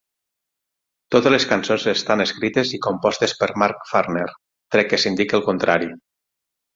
Totes les cançons estan escrites i compostes per Mark Farner, tret que s'indiqui el contrari.